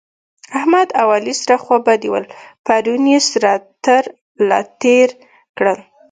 احمد او علي سره خوابدي ول؛ پرون يې سره تر له تېر کړل